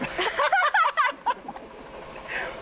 ハハハハ！